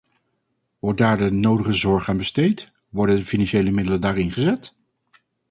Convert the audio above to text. Wordt daar de nodige zorg aan besteed, worden de financiële middelen daar ingezet?